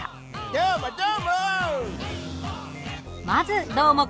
どーも、どーも！